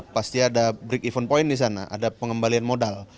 pasti ada break even point di sana ada pengembalian modal